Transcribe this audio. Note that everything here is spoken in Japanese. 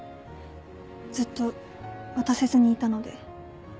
ずっと渡せずにいたので。